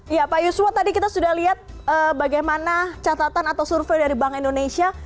iya pak yuswo tadi kita sudah lihat bagaimana catatan atau survei dari bank indonesia